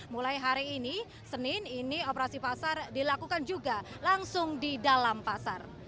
mulai hari ini senin ini operasi pasar dilakukan juga langsung di dalam pasar